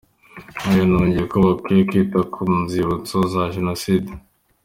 Aho yanongeyeho ko bakwiye kwita ku nzibutso za Jenoside.